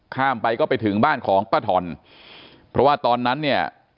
ข้ามไปก็ไปถึงบ้านของป้าถ่อนเพราะว่าตอนนั้นเนี่ย